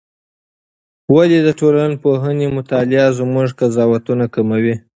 ولې د ټولنپوهنې مطالعه زموږ قضاوتونه کموي؟